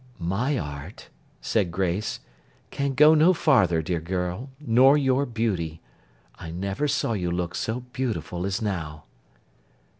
'My art,' said Grace, 'can go no farther, dear girl; nor your beauty. I never saw you look so beautiful as now.